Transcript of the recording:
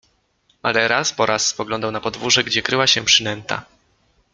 Ale raz po raz spoglądał na podwórze, gdzie kryła się przynęta.